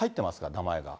名前が。